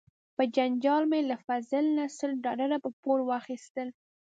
په جنجال مې له فضل نه سل ډالره په پور واخیستل.